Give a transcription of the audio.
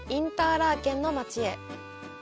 ラーケンの街へ。